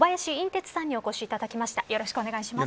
てつさんにお越しいただきました。